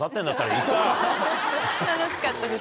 楽しかったです